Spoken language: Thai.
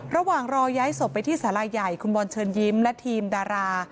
รอย้ายศพไปที่สาราใหญ่คุณบอลเชิญยิ้มและทีมดารา